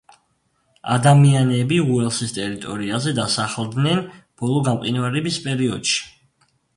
ადამიანები უელსის ტერიტორიაზე დასახლდნენ ბოლო გამყინვარების პერიოდში.